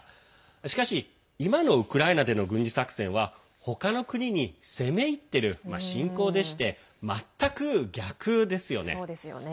しかし、今のウクライナでの軍事作戦は他の国に攻め入ってる侵攻でして全く逆ですよね。